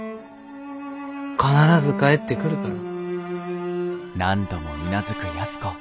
必ず帰ってくるから。